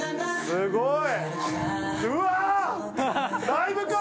すごい！